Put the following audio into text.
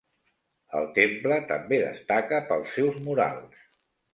El temple també destaca pels seus murals.